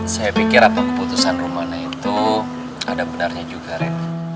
saya pikir apa keputusan rumahnya itu ada benarnya juga red